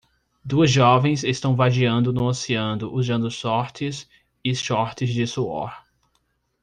Duas jovens estão vadeando no oceano usando shorts e shorts de suor.